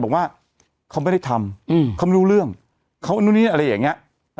บอกว่าเขาไม่ได้ทำเขาไม่รู้เรื่องเขานู่นนี่อะไรอย่างนี้